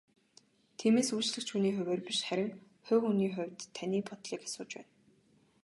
Тиймээс үйлчлэгч хүний хувиар биш харин хувь хүний хувьд таны бодлыг асууж байна.